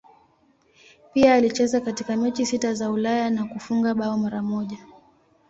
Pia alicheza katika mechi sita za Ulaya na kufunga bao mara moja.